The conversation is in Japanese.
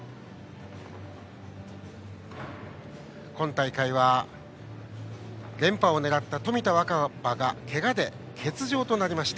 今大会は連覇を狙った冨田若春がけがで欠場となりました。